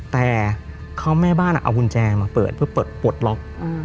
แต่เขาแม่บ้านเอากุญแจมาเปิดเพื่อเปิดปลดล็อก